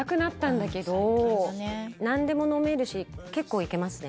何でも飲めるし結構いけますね